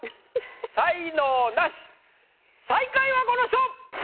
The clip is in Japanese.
才能ナシ最下位はこの人！